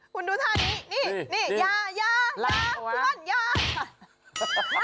คุณดูท่านี้นี่นี่นี่ยายายาทุกวันยา